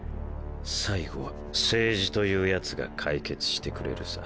最後は政治というやつが解決してくれるさ。